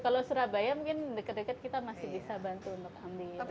kalau surabaya mungkin dekat dekat kita masih bisa bantu untuk ambil